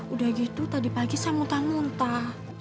udah gitu tadi pagi saya muntah muntah